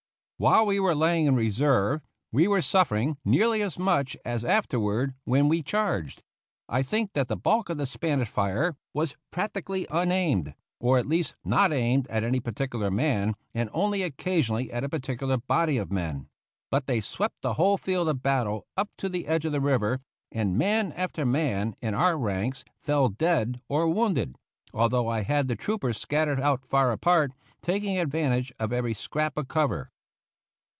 While we were lying in reserve we were suf fering nearly as much as afterward when we charged. I think that the bulk of the Spanish fire was practically unaimed, or at least not aimed at any particular man, and only occasionally at a particular body of men ; but they swept the whole field of battle up to the edge of the river, and man after man in our ranks fell dead or wounded, although I had the troopers scattered out far apart, taking advantage of every scrap of cover.